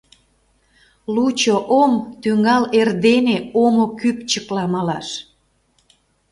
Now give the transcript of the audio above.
Лучо ом тӱҥал эрдене омо кӱпчыкла малаш.